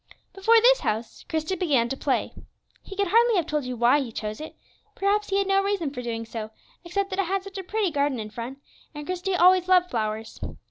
Before this house Christie began to play. He could hardly have told you why he chose it; perhaps he had no reason for doing so, except that it had such a pretty garden in front, and Christie always loved flowers.